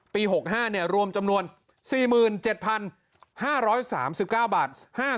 ปี๖๕รวมจำนวน๔๗๕๓๙๕๖สต